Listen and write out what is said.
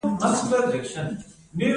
ایا زه باید خپله بستر بیله کړم؟